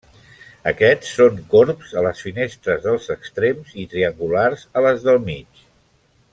Aquests són corbs a les finestres dels extrems i triangulars a les del mig.